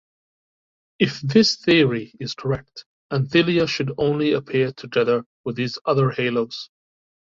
If this theory is correct, anthelia should only appear together with these other haloes.